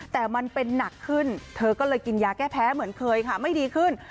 แต่มันเป็นหนักขึ้นเธอก็เลยกินยาแก้แพ้เหมือนเคยค่ะไม่ดีขึ้น